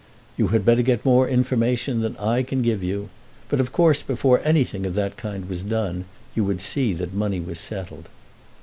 "You had better get more information than I can give you. But, of course, before anything of that kind was done you would see that money was settled."